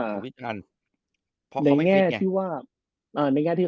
สูงพิจารณ์เพราะเค้าไม่ฟิตไง